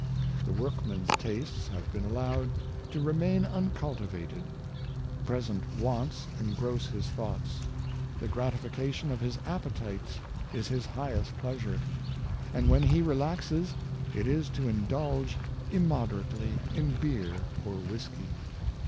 The workman's tastes have been allowed to remain uncultivated; present wants engross his thoughts; the gratification of his appetites is his highest 30 Influence of Music, pleasure, and when he relaxes, it is to indulge immode rately in beer or whisky.